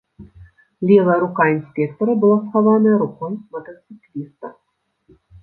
Левая рука інспектара была схаваная рукой матацыкліста.